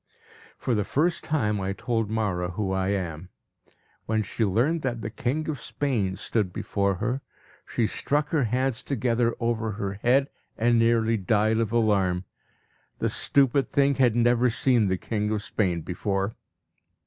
For the first time I told Mawra who I am. When she learned that the king of Spain stood before her, she struck her hands together over her head, and nearly died of alarm. The stupid thing had never seen the king of Spain before!